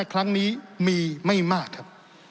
ครั้งนี้มีไม่มากครับ